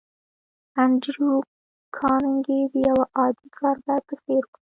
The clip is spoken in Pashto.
انډريو کارنګي د يوه عادي کارګر په څېر و.